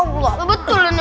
wah kok tidak